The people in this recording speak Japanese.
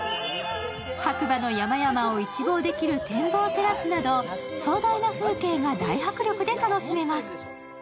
白馬の山々を一望できる展望テラスなど壮大な風景が大迫力で楽しめます。